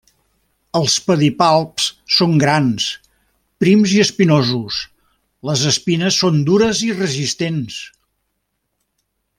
Els pedipalps són grans, prims i espinosos, les espines són dures i resistents.